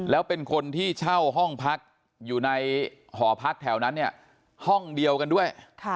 แล้วเป็นคนที่เช่าห้องพักอยู่ในหอพักแถวนั้นเนี่ยห้องเดียวกันด้วย